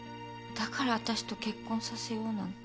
だからわたしと結婚させようなんて。